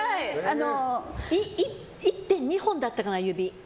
１．２本だったかな、指。